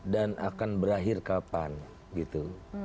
dan akan berakhir kapan gitu